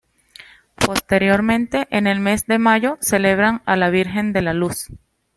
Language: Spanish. Posteriormente, en el mes de mayo celebran a la Virgen de la Luz.